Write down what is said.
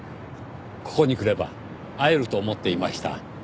ここに来れば会えると思っていました。